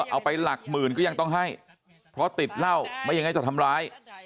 ไปหลักหมื่นก็ยังต้องให้เพราะติดเหล้าไม่อย่างนั้นจะทำร้าย